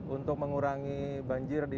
untuk mengurangi banjir di